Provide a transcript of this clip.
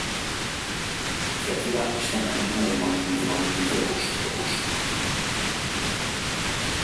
La iniciativa está en la línea del movimiento de comercio justo.